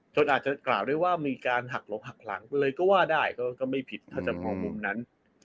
อาจจะกล่าวได้ว่ามีการหักหลบหักหลังเลยก็ว่าได้ก็ไม่ผิดถ้าจะมองมุมนั้น